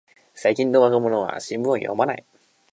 最近の若者は新聞を読まない